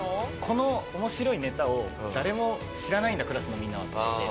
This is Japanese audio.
この面白いネタを誰も知らないんだクラスのみんなはと思って。